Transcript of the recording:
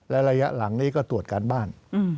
และระยะหลังนี้ก็ตรวจการบ้าน